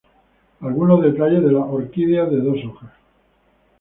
Algunos detalles de la ""orquídea de dos hojas"".